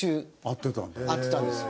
会ってたんだよ。